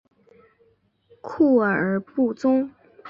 库尔布宗。